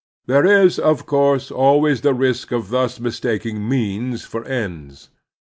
There is, of course, always the risk of thtis mistaking means for ends.